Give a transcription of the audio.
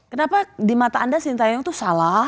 kenapa di mata anda sintayong itu salah